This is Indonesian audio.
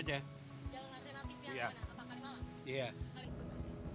jalan alternatif di mana apakah di malang